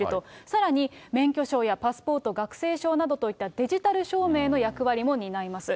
さらに、免許証やパスポート、学生証などといったデジタル証明の役割も担います。